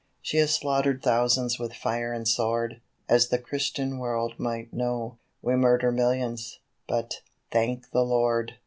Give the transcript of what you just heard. She has slaughtered thousands with fire and sword, as the Christian world might know; We murder millions, but, thank the Lord!